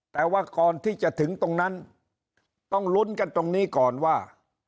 แต่ว่าก่อนที่จะถึงตรงนั้นต้องลุ้นกันตรงนี้ก่อนว่า